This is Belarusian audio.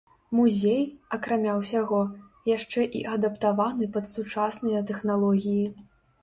Музей, акрамя ўсяго, яшчэ і адаптаваны пад сучасныя тэхналогіі.